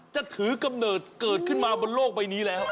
จะถือกำเนิดเกิดขึ้นมาบนโลกใบนี้แล้ว